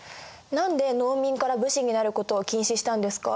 何で農民から武士になることを禁止したんですか？